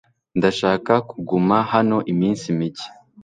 Ndashaka kuguma hano iminsi mike .